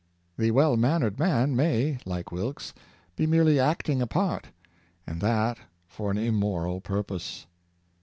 The well mannered man may, like Wilkes, be merely acting a part, and that for an im moral purpose.